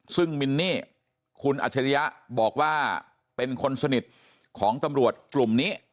ซึ่งมินนี่คุณอัจฉริยะบอกว่าเป็นคนสนิทของตำรวจกลุ่มนี้